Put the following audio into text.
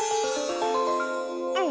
うん。